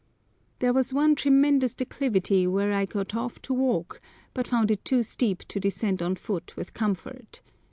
There was one tremendous declivity where I got off to walk, but found it too steep to descend on foot with comfort.